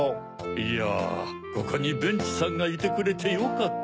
いやここにベンチさんがいてくれてよかった。